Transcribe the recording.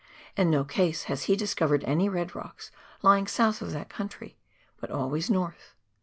In no case has he discovered any red rocks lying south of that country — but always north.